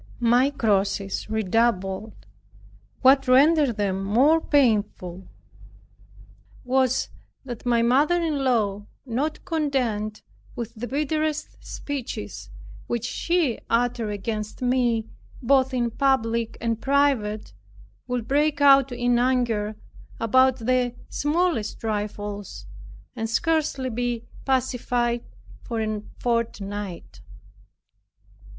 My crosses redoubled. What rendered them more painful was, that my mother in law, not content with the bitterest speeches which she uttered against me, both in public and private, would break out in anger about the smallest trifles, and scarcely be pacified for a fortnight.